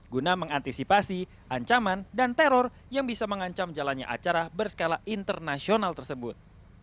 guna mengantisipasi ancaman dan teror yang bisa mengancam jalannya acara berskala internasional tersebut